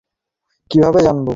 আমি কীভাবে জানবো!